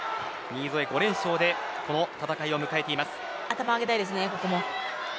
新添５連勝でこの戦いを迎えています。